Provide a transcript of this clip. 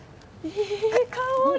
いい香り。